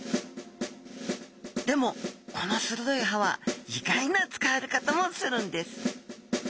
でもこのするどい歯は意外な使われ方もするんです